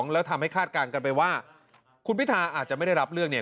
แล้วทำให้คาดการณ์กันไปว่าคุณพิธาอาจจะไม่ได้รับเลือกเนี่ย